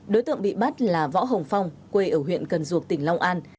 đối tượng bị bắt là võ hồng phong quê ở huyện cần duộc tỉnh long an